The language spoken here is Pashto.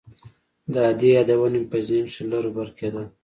د ادې يادونه مې په ذهن کښې لر بر کېدل.